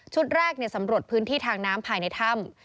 ชุดแรกเนี่ยศัมรวจพื้นที่ทางน้ำภายในถ้ำ